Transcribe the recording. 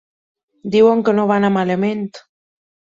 Diuen que no va anar malament.